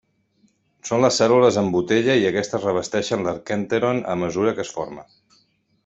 Són les cèl·lules en botella i aquestes revesteixen l'arquènteron a mesura que es forma.